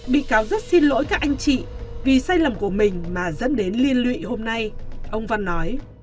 bị cáo rất xin lỗi các anh chị vì sai lầm của mình mà dẫn đến liên lụy hôm nay ông văn nói